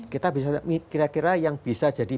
kita bisa kira kira yang bisa jadi